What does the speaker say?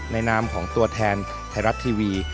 นามของตัวแทนไทยรัฐทีวี